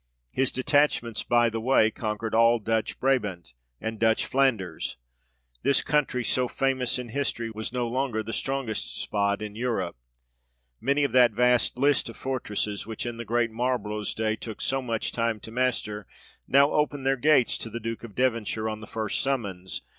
His detachments by the way conquered all Dutch Brabant, and Dutch Flanders : this country, so famous in history, was no longer the strongest spot in Europe ; many of that vast list of fortresses, which in the great Marl borough's day, took so much time to master, now opened their gates to the Duke of Devonshire on the first summons.